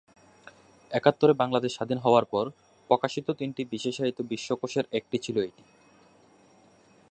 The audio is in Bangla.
একাত্তরে বাংলাদেশ স্বাধীন হওয়ার পর, প্রকাশিত তিনটি বিশেষায়িত বিশ্বকোষের একটি ছিল এটি।